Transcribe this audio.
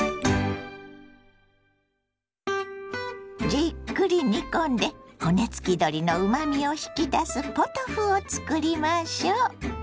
じっくり煮込んで骨付き鶏のうまみを引き出すポトフを作りましょ。